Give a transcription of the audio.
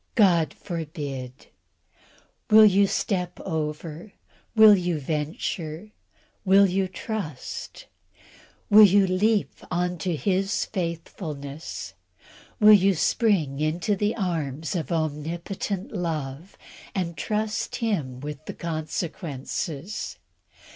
God forbid! Will yon step over? Will you venture? Will you trust? Will yon leap on to His faithfulness? Will you spring into the arms of Omnipotent Love, and trust Him with consequences?